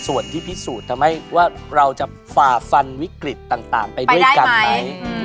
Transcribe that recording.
ส่วนที่พิสูจน์ทำให้ว่าเราจะฝ่าฟันวิกฤตต่างไปด้วยกันไหม